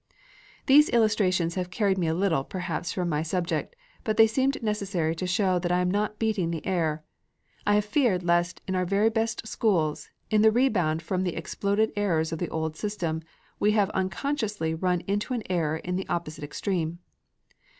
These illustrations have carried me a little, perhaps, from my subject. But they seemed necessary to show that I am not beating the air. I have feared lest, in our very best schools, in the rebound from the exploded errors of the old system, we have unconsciously run into an error in the opposite extreme.